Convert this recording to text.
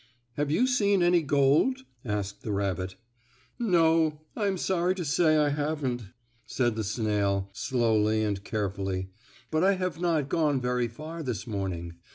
"Have you seen any gold?" asked the rabbit. "No, I am sorry to say I have not," said the snail, slowly and carefully. "But I have not gone very far this morning.